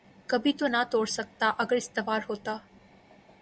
کبھی تو نہ توڑ سکتا اگر استوار ہوتا